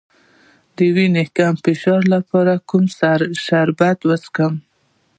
د وینې د کم فشار لپاره کوم شربت وڅښم؟